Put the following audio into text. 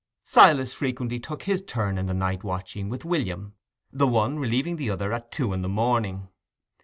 Silas frequently took his turn in the night watching with William, the one relieving the other at two in the morning.